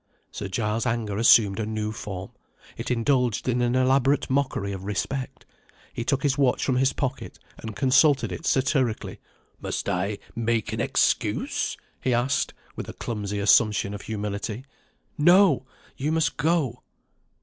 Sir Giles's anger assumed a new form, it indulged in an elaborate mockery of respect. He took his watch from his pocket, and consulted it satirically. "Must I make an excuse?" he asked with a clumsy assumption of humility. "No! you must go."